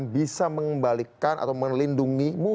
bisa mengembalikan atau melindungimu